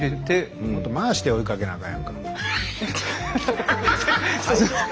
もっと回してお湯かけなあかんやんか。